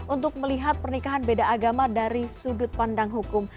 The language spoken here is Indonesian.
untuk melihat pernikahan beda agama dari sudut pandang hukum